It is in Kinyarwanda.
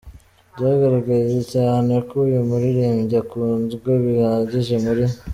Byagaragaye cyane ko uyu muririmbyi akunzwe bihagije muri.